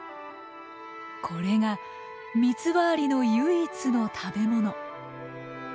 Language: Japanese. これがミツバアリの唯一の食べ物。